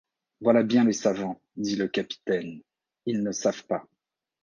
Voilà bien les savants, dit le capitaine, ils ne savent pas.